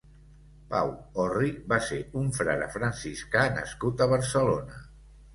Pau Orri va ser un frare franciscà nascut a Barcelona.